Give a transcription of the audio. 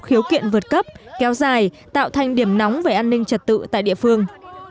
khiếu kiện vượt cấp kéo dài tạo thành điểm nóng về an ninh trật tự tại địa phương